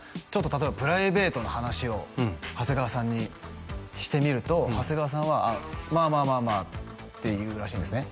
例えばプライベートな話を長谷川さんにしてみると長谷川さんは「まあまあまあまあ」って言うらしいんですね